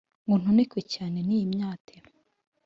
Ngo ntonekwe cyane n' iyi myate